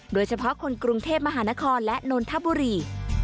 โดยเฉพาะคนกรุงเทพมหานครและนนทบุรี